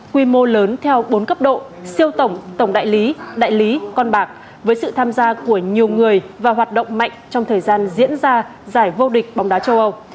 quy mô lớn theo bốn cấp độ siêu tổng tổng đại lý đại lý con bạc với sự tham gia của nhiều người và hoạt động mạnh trong thời gian diễn ra giải vô địch bóng đá châu âu